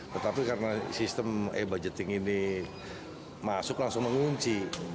tetapi karena sistem e budgeting ini masuk langsung mengunci